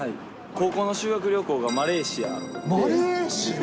高校の修学旅行がマレーシアマレーシア？